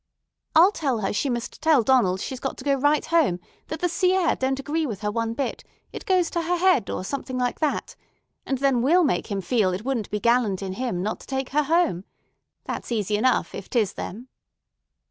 "I'll tell her she must tell Donald she's got to go right home, that the sea air don't agree with her one bit—it goes to her head or something like that; and then we'll make him feel it wouldn't be gallant in him not to take her home. That's easy enough, if 'tis them."